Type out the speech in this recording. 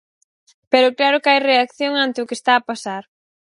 Pero claro que hai reacción ante o que está a pasar.